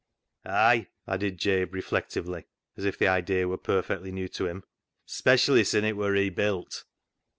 " Ay," added Jabe reflectively, as if the idea were perfectly new to him, " specially sin' it wur rebuilt."